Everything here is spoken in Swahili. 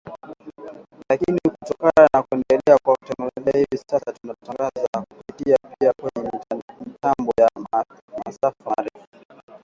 lakini kutokana na kuendelea kwa teknolojia hivi sasa tunatangaza kupitia pia kwenye mitambo ya masafa marefu